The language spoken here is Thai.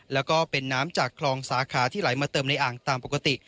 แล้วก็เป็นน้ำจากคลองสาขาที่ไหลมาเติมในอ่างตามปกติ